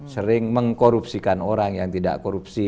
sering mengkorupsikan orang yang tidak korupsi